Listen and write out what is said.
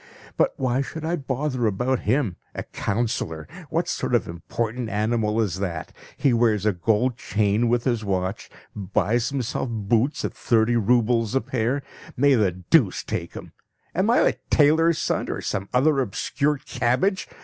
But why should I bother about him? A councillor! What sort of important animal is that? He wears a gold chain with his watch, buys himself boots at thirty roubles a pair; may the deuce take him! Am I a tailor's son or some other obscure cabbage?